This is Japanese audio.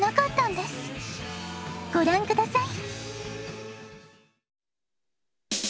ごらんください。